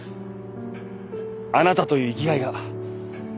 あなたという生きがいが。